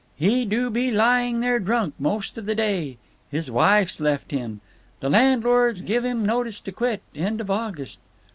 He do be lying there drunk most of the day. His wife's left him. The landlord's give him notice to quit, end of August.